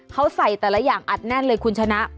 เขาใส่แต่ละอย่างอัดแน่นเลยคุณชนะ